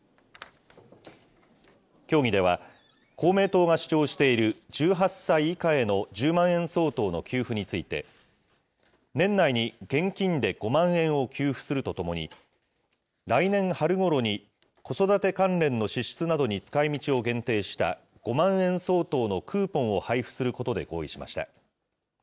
協議では、公明党が主張している１８歳以下への１０万円相当の給付について、年内に現金で５万円を給付するとともに、来年春ごろに、子育て関連の支出などに使いみちを限定した５万円相当のクーポンを配布することで合意しました。